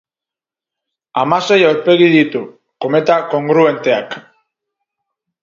Hamasei aurpegi ditu: kometa kongruenteak.